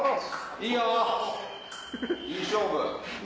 いい勝負！